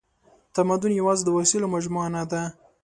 تمدن یواځې د وسایلو مجموعه نهده.